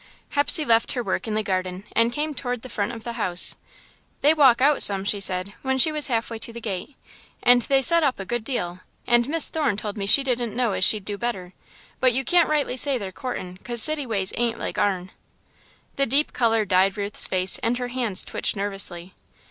Hepsey left her work in the garden and came toward the front of the house. "They walk out some," she said, when she was halfway to the gate, "and they set up a good deal, and Miss Thorne told me she didn't know as she'd do better, but you can't rightly say they're courtin' 'cause city ways ain't like our'n." The deep colour dyed Ruth's face and her hands twitched nervously.